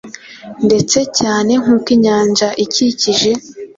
Ndetse cyane nkuko inyanja ikikije